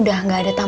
dia juga patah